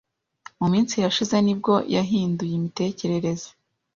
Mu minsi yashize ni bwo yahinduye imitekerereze.